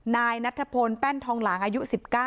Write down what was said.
นายนัทพลแป้นทองหลางอายุ๑๙